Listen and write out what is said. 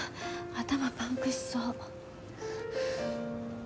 頭パンクしそう。